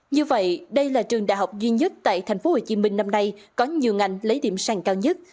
như vậy đây là trường đại học duy nhất tại tp hcm năm nay có nhiều ngành lấy điểm sàng cao nhất